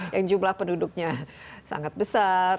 yang jumlah penduduknya sangat besar